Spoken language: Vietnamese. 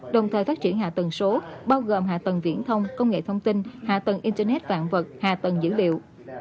đồng thời phát triển hạ tầng số bao gồm hạ tầng viễn thông công nghệ thông tin hạ tầng internet vạn vật hạ tầng dữ liệu